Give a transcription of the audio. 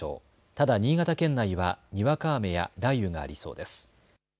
ただ新潟県内はにわか雨や雷雨がありそうです。